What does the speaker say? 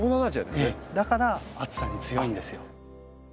だから暑さに強いんですよ。